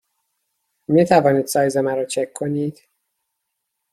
می توانید سایز مرا چک کنید؟